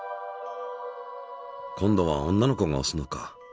今度は女の子がおすのか。